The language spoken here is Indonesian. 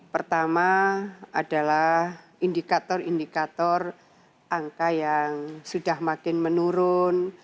pertama adalah indikator indikator angka yang sudah makin menurun